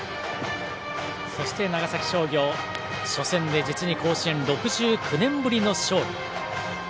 そして長崎商業、初戦で実に甲子園６９年ぶりの勝利。